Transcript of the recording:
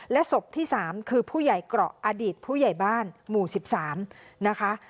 และศพที่๓คือผู้ใหญ่เกราะอดีตผู้ใหญ่บ้านหมู่๑๓นะคะ